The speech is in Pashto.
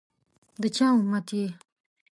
دچا اُمتي يی؟